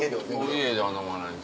僕家では飲まないです。